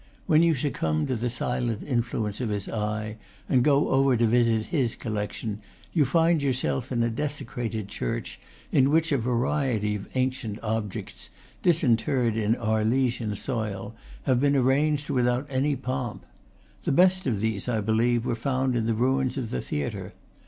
When you succumb to the silent influence of his eye, and go over to visit his collection, you find yourself in a desecrated church, in which a variety of ancient objects, disinterred in Arlesian soil, have been ar ranged without any pomp. The best of these, I be lieve, were found in the ruins of the theatre.